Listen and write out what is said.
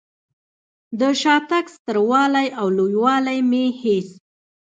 د شاتګ ستر والی او لوی والی مې هېڅ.